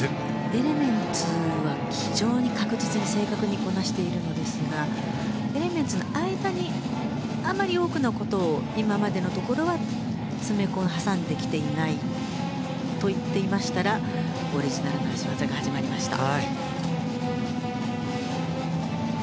エレメンツは非常に確実に正確にこなしているのですがエレメンツの間にあまり多くのことを今までのところは挟んできていないと言っていましたらオリジナルの脚技が始まりました。